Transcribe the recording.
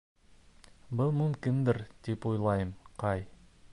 Был мөмкиндер тип уйлайым, Кай.